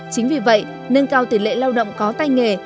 chính vì vậy nâng cao tỷ lệ lao động có tay nghề